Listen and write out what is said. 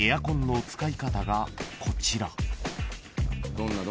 ［こちら］